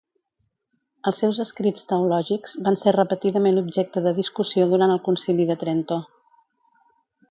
Els seus escrits teològics van ser repetidament objecte de discussió durant el Concili de Trento.